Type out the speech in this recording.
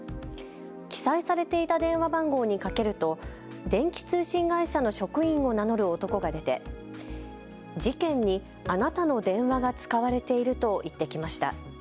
記載されていた電話番号にかけると、電気通信会社の職員を名乗る男が出て事件にあなたの電話が使われていると言ってきました。